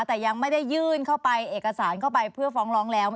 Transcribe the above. แต่ยังไม่ได้ยื่นเข้าไปเอกสารเข้าไปเพื่อฟ้องร้องแล้ว